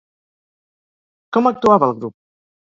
Com actuava el grup?